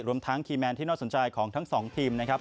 รวมทั้งคีย์แมนที่น่าสนใจของทั้งสองทีมนะครับ